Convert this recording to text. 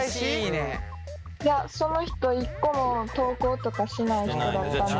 いやその人一個も投稿とかしない人だったので。